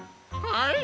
はい！